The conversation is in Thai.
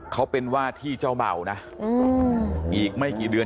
เขาเป็นว่าที่เจ้าเบานะอีกไม่กี่เดือน